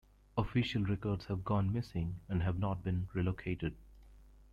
Official records have gone missing and have not been relocated.